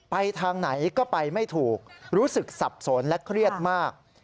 ไปทางไหนก็ไปไม่ถูกรู้สึกสับสนและเครียดมาก